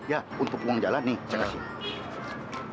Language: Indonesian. ya untuk uang jalan nih saya kasih